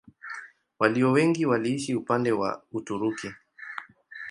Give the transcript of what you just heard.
Walio wengi waliishi upande wa Uturuki.